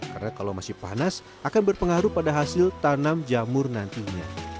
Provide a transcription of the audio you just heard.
karena kalau masih panas akan berpengaruh pada hasil tanam jamur nantinya